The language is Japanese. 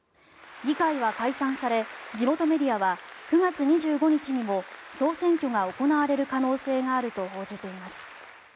議会は解散され地元メディアは９月２５日にも総選挙が行われる可能性があると報じています。